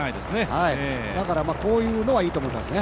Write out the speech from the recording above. だからこういうのはいいところなんですね。